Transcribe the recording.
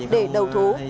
để đầu thú